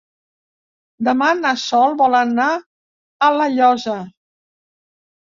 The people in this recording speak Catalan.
Demà na Sol vol anar a La Llosa.